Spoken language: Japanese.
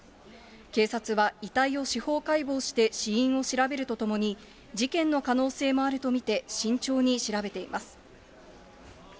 警察は遺体を司法解剖して死因を調べるとともに、事件の可能性もあると見て慎重に調べています。